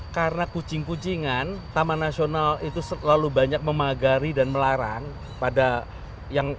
karena kucing kucingan taman nasional itu selalu banyak memagari dan melarang